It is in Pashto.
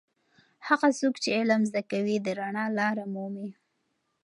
هغه څوک چې علم زده کوي د رڼا لاره مومي.